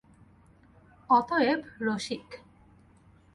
অতএব– রসিক।